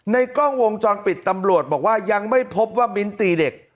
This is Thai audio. ในกล้องวงจรปิดตำรวจบอกว่ายังไม่พบว่ามิ้นตีเด็ก